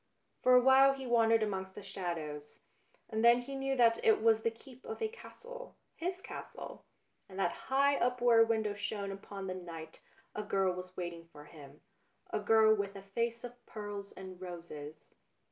For a while he wandered amongst the shadows, and then he knew that it was 244 BLUE BLOOD the keep of a castle, his castle, and that high up where a window shone upon the night a girl was waiting for him, a girl with a face of pearls and roses.